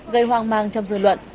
gây hoang mang trong dự luận